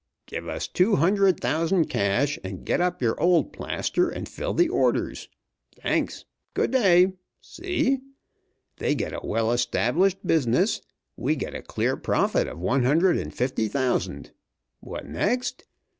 Give us two hundred thousand cash, and get up your old plaster, and fill the orders. Thanks. Good day.' See? They get a well established business. We get a clear profit of one hundred and fifty thousand. What next?